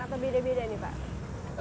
atau beda beda nih pak